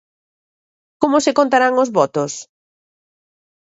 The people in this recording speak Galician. Como se contarán os votos?